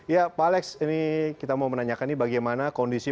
ya pak alex ini kita mau menanyakan nih bagaimana kondisi